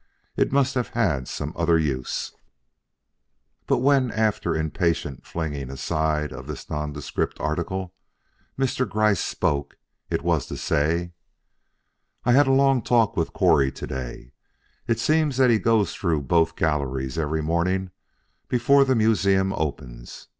It must have had some other use. But when, after an impatient flinging aside of this nondescript article, Mr. Gryce spoke, it was to say: "I had a long talk with Correy to day. It seems that he goes through both galleries every morning before the museum opens.